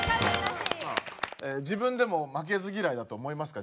自分でも負けず嫌いだと思いますか？